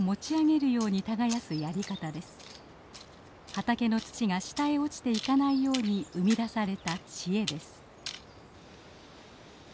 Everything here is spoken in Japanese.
畑の土が下へ落ちていかないように生み出された知恵です。